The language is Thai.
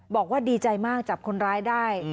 บอกว่าดีใจมากจับคนร้ายได้